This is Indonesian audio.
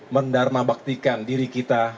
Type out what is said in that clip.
mendarmabaktikan diri kita